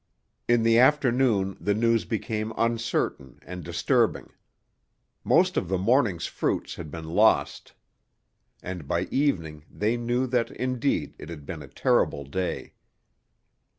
In the afternoon the news became uncertain and disturbing. Most of the morning's fruits had been lost. And by evening they knew that indeed it had been a terrible day.